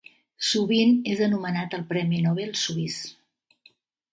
Sovint és anomenat el Premi Nobel suís.